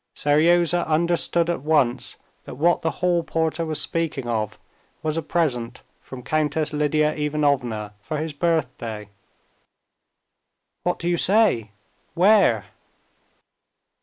Seryozha understood at once that what the hall porter was speaking of was a present from Countess Lidia Ivanovna for his birthday. "What do you say? Where?"